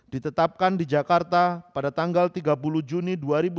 ditetapkan di jakarta pada tanggal tiga puluh juni dua ribu dua puluh